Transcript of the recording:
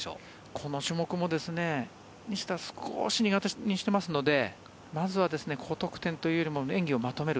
この種目も西田少し苦手にしていますのでまずは高得点というより演技をまとめる。